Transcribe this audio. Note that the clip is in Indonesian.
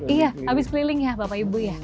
iya habis keliling ya bapak ibu ya